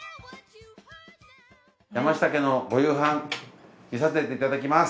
山下家のお夕飯見させていただきます。